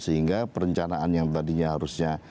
sehingga perencanaan yang tadinya harusnya